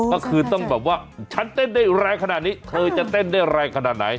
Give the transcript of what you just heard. ก็คือต้องแบบว่าฉันเต้นได้แรงขนาดนี้เธอจะเต้นได้แรงขนาดไหน